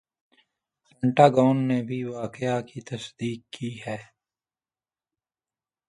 پینٹا gone نے بھی واقعہ کی تصدیق کی ہے